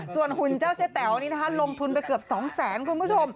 ส่วนหุ่นเจ้าเจ้าแต๋วนี้ลงทุนไปเกือบ๒๐๐๐๐๐บาทคุณผู้ชม